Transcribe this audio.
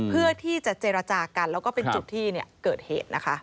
เพื่อที่จะเจรจากันแล้วก็เป็นจุดที่เกิดเหตุนะคะ